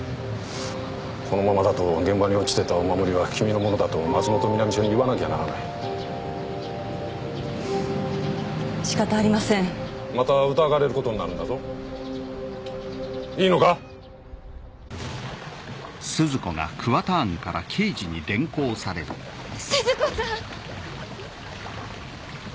このままだと現場に落ちてたお守りは君のものだと松本南署に言わなきゃならないしかたありませんまた疑われることになるんだぞいいのか⁉鈴子さん！